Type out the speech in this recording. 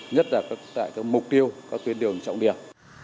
nhất là tại các mục tiêu các tuyến đường trọng điểm